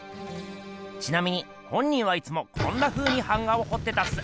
ちなみに本人はいつもこんなふうに版画をほってたっす。